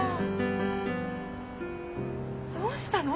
どうしたの？